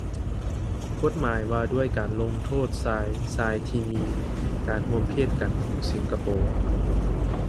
ກົດໝາຍ ວ່າດ້ວຍການລົງໂທດຊາຍຊາຍທີ່ມີການຮ່ວມເພດກັນ ຂອງສິງກະໂປ